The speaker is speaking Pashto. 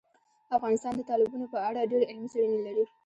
افغانستان د تالابونو په اړه ډېرې علمي څېړنې لري.